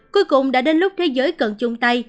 cuối cùng đã đến lúc thế giới cần chung tay